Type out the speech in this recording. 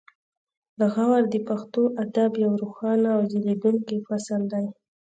غور د پښتو ادب یو روښانه او ځلیدونکی فصل دی